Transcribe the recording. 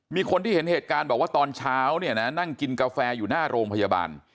มีคนที่เห็นเหตุการณ์บอกว่าตอนเช้าเนี่ยนะนั่งกินกาแฟอยู่หน้าโรงพยาบาล